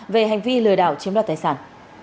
về hành vi lừa đảo chiếm đoạt tài sản